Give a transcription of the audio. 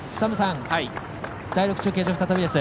第６中継所、再びです。